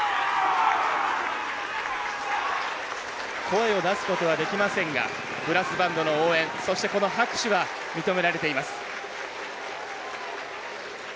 声を出すことはできませんがブラスバンドの応援そして、拍手は認められています。